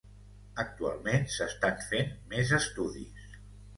Actualment s'estan fent més estudis.